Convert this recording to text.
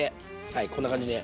はいこんな感じで。